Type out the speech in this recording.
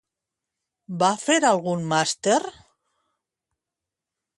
Va fer algun màster?